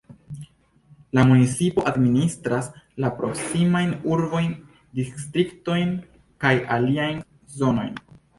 La municipo administras la proksimajn urbojn, distriktojn kaj aliajn zonojn.